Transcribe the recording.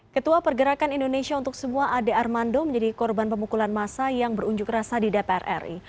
ketua pergerakan indonesia untuk semua ade armando menjadi korban pemukulan masa yang berunjuk rasa di dpr ri